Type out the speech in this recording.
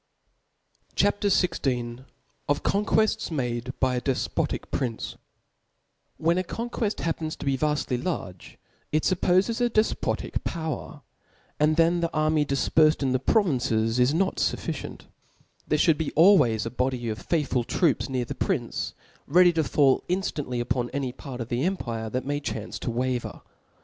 CHAP. XVI. OfConquefis made by a dejpotic Frii^Lce^ TTTHE N a conqueft happens to be vaftly large, ^^ it fuppofes a defpotic power : and then the army difperfed in the provinces is not fufficient There (hould be always a body of faithfiU troops near the prince, ready to fall inftantly upon any part of the empire that may chance to waver.